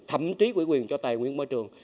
thậm chí quỹ quyền cho tài nguyên môi trường